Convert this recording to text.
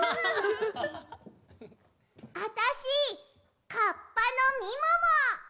あたしカッパのみもも！